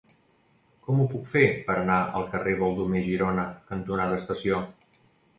Com ho puc fer per anar al carrer Baldomer Girona cantonada Estació?